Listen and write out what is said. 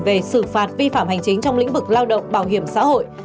về xử phạt vi phạm hành chính trong lĩnh vực lao động bảo hiểm xã hội